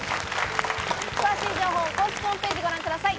詳しい情報は公式ホームページご覧ください。